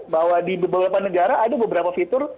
bahwa di beberapa negara ada beberapa fitur